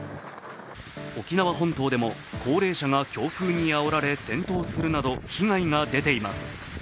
沖縄本島でも高齢者が強風にあおられ転倒するなど被害が出ています。